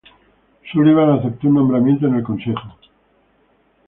Sullivan aceptó un nombramiento en el consejo.